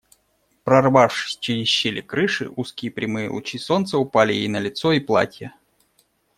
Прорвавшись через щели крыши, узкие прямые лучи солнца упали ей на лицо и платье.